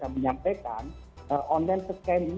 menampilkan online scan ini